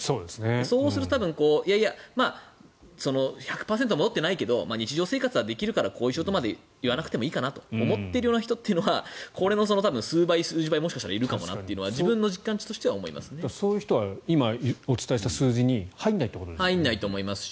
そうすると多分１００％戻ってないけど日常生活はできるから後遺症とまでは言わなくてもいいかなと思っている人はこの数倍、数十倍はもしかしたらいるかもなというのはそういう人は今お伝えした数字に入らないということですね。